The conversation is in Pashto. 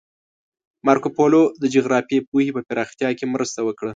مارکوپولو د جغرافیایي پوهې په پراختیا کې مرسته وکړه.